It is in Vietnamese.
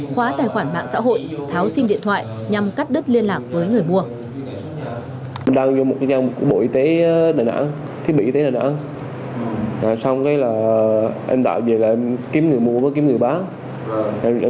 khóa tài khoản mạng xã hội tháo sim điện thoại nhằm cắt đứt liên lạc với người mua